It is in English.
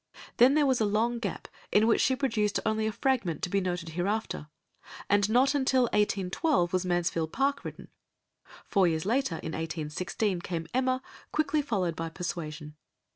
Then there was a long gap, in which she produced only a fragment to be noted hereafter, and not until 1812 was Mansfield Park written; four years later, in 1816, came Emma, quickly followed by Persuasion.